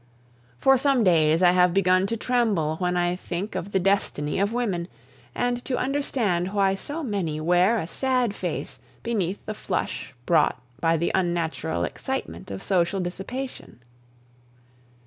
For some days I have begun to tremble when I think of the destiny of women, and to understand why so many wear a sad face beneath the flush brought by the unnatural excitement of social dissipation.